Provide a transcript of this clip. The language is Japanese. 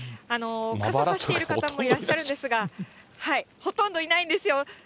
傘差している方もいらっしゃるんですが、ほとんどいないんですよ。